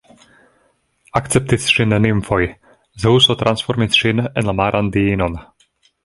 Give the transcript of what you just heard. Akceptis ŝin nimfoj, Zeŭso transformis ŝin en la maran diinon.